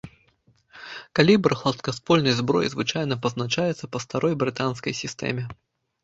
Калібр гладкаствольнай зброі звычайна пазначаецца па старой брытанскай сістэме.